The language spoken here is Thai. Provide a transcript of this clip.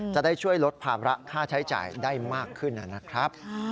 จะได้ช่วยลดภาระค่าใช้จ่ายได้มากขึ้นนะครับ